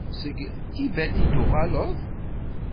Seg Tibet i d-tuɣaleḍ?